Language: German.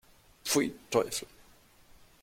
Pfui, Teufel!